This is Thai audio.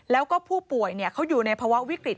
แล้วก็ผู้ป่วยเขาอยู่ในภาวะวิกฤต